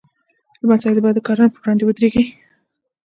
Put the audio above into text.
لمسی د بد کارونو پر وړاندې ودریږي.